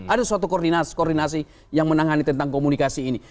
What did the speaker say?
ada suatu koordinasi yang menangani tentang komunikasi ini